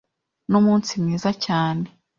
Numunsi mwiza cyane.